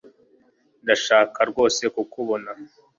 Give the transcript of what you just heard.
Ndashaka rwose kukubona